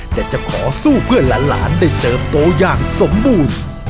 แต่จะขอสู้เพื่อหลานได้เติบโตอย่างสมบูรณ์